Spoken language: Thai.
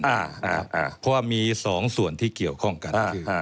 เพราะว่ามีสองส่วนที่เกี่ยวข้องกัน